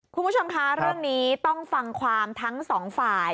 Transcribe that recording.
คุณผู้ชมคะเรื่องนี้ต้องฟังความทั้งสองฝ่าย